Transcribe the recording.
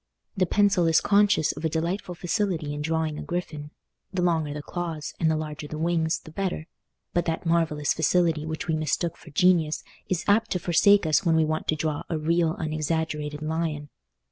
The pencil is conscious of a delightful facility in drawing a griffin—the longer the claws, and the larger the wings, the better; but that marvellous facility which we mistook for genius is apt to forsake us when we want to draw a real unexaggerated lion.